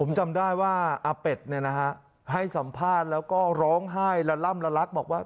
ผมจำได้ว่าอาเป็ดเนี่ยนะฮะให้สัมภาษณ์แล้วก็ร้องไห้ละล่ำละลักบอกว่า